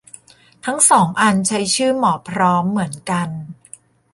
ทั้งสองอันใช้ชื่อ หมอพร้อม เหมือนกัน